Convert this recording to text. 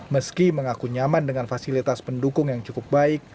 meski mengaku nyaman dengan fasilitas pendukung yang cukup baik